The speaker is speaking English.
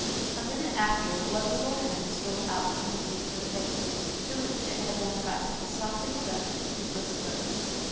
A minute after one little hand stole out from beneath her face, to which it had been pressed, and softly caressed the heedless foot.